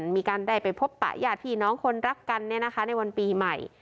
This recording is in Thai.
มีการได้ไปพบประหยาดพี่น้องคนรักกันเนี่ยนะคะในวันปีใหม่